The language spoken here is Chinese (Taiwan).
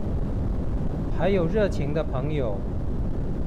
還有熱情的朋友